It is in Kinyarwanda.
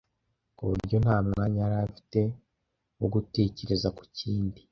ku buryo nta mwanya yari afite wo gutekereza ku kindi.